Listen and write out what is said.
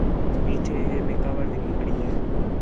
میٹھے ہے میک کاوِڑ لڳی کھڑی ہِے